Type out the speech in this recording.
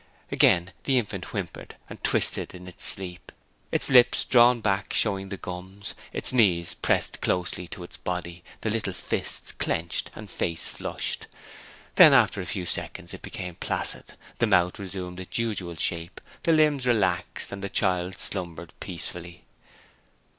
Again the infant whimpered and twisted in its sleep, its lips drawn back showing the gums: its knees pressed closely to its body, the little fists clenched, and face flushed. Then after a few seconds it became placid: the mouth resumed its usual shape; the limbs relaxed and the child slumbered peacefully.